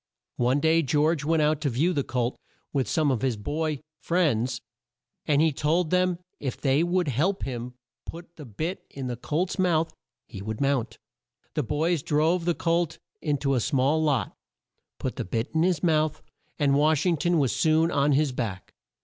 One day George went out to view the colt with some of his boy friends, and he told them that if they would help him put the bit in the colt's mouth he would mount. The boys drove the colt in to a small lot, put the bit in his mouth, and Wash ing ton was soon on his back.